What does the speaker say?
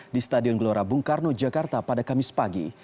di stadion gelora bung karno jakarta pada kamis pagi